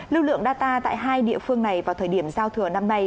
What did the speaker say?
lưu lượng data tại hai địa phương này vào thời điểm giao thừa năm nay